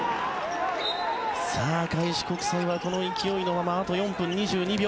開志国際はこの勢いのままあと４分２２秒。